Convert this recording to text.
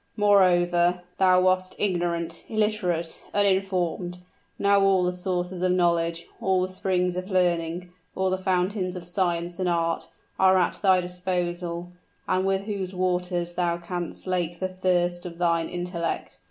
Moreover, thou wast ignorant illiterate uninformed: now all the sources of knowledge all the springs of learning all the fountains of science and art, are at thy disposal, and with whose waters thou canst slake the thirst of thine intellect.